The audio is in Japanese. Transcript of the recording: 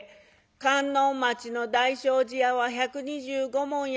「観音町の大正寺屋は１２５文やてな」。